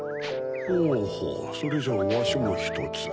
ほうほうそれじゃわしもひとつ。